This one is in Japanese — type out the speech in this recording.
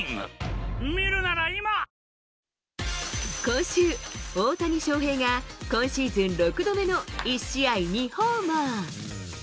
今週、大谷翔平が今シーズン６度目の１試合２ホーマー。